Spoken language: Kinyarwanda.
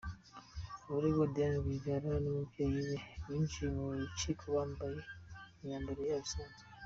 Abaregwa Diane Rwigara n'umubyeyi we binjiye mu rukiko bambaye imyambaro yabo isanzwe.